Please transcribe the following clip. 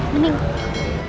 makasih ya pak